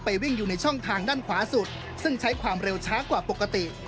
วิ่งอยู่ในช่องทางด้านขวาสุดซึ่งใช้ความเร็วช้ากว่าปกติ